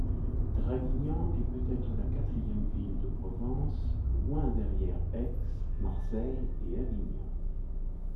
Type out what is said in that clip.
Draguignan est peut-être la quatrième ville de Provence, loin derrière Aix, Marseille et Avignon.